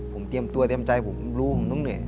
ผมเตรียมตัวเตรียมใจผมลูกผมต้องเหนื่อย